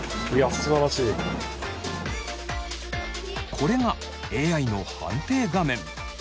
これがＡＩの判定画面。